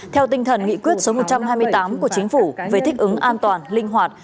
theo tinh thần nghị quyết số một trăm hai mươi tám của chính phủ về thích ứng an toàn linh hoạt